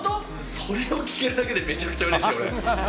それを聞けるだけでめちゃくちゃうれしい、俺。